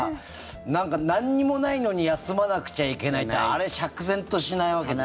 なんか何もないのに休まなくちゃいけないってあれ、釈然としないわけですよ。